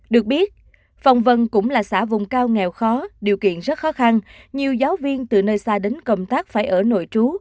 được biết phòng vân cũng là xã vùng cao nghèo khó điều kiện rất khó khăn nhiều giáo viên từ nơi xa đến công tác phải ở nội trú